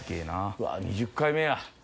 うわぁ２０回目や。